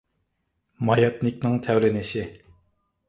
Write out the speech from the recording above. ماياتنىكنىڭ تەۋرىنىشى